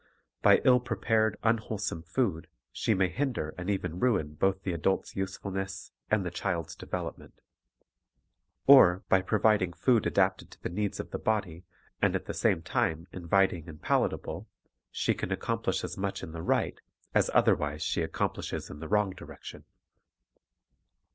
By ill prepared, unwholesome food she may hinder and even ruin both the adult's usefulness and the child's development. Or by provid ing food adapted to the needs of the body, and at the same time inviting and palatable, she can accomplish as much in the right as otherwise she accomplishes in the wrong direction.